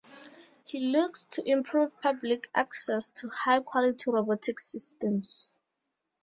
He looks to improve public access to high quality robotic systems.